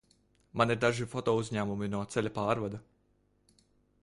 Man ir daži fotouzņēmumi no ceļa pārvada.